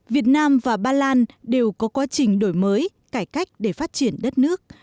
việt nam và ba lan đều có quá trình đổi mới cải cách để phát triển đất nước